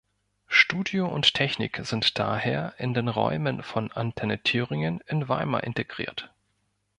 Studio und Technik sind daher in den Räumen von Antenne Thüringen in Weimar integriert.